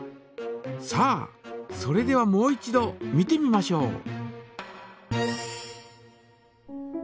さあそれではもう一度見てみましょう。